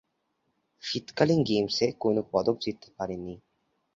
শীতকালীন গেমসে কোন পদক জিততে পারেনি।